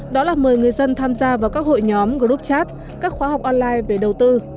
đó là mời người dân tham gia vào các hội nhóm group chat các khóa học online về đầu tư